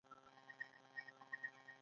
ایا بیا راځئ؟